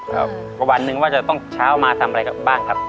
เพราะวันหนึ่งว่าจะต้องเช้ามาทำอะไรบ้างครับ